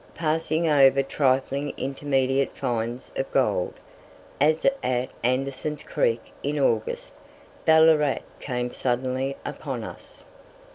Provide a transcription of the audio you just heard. Passing over trifling intermediate finds of gold, as at Anderson's Creek in August, Ballarat came suddenly upon us.